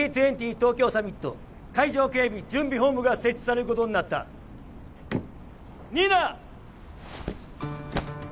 東京サミット海上警備準備本部が設置されることになった新名！